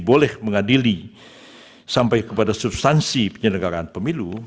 boleh mengadili sampai kepada substansi penyelenggaraan pemilu